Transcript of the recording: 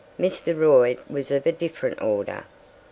Mr. Royd was of a different order.